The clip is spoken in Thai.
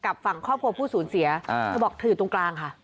กับฝั่งครอบครัวผู้ศูนย์เสียเธอบอกจุดตรงกลางค่ะ